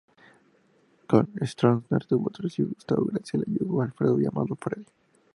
Con Stroessner tuvo tres hijos: Gustavo, Graciela y Hugo Alfredo, llamado "Freddy".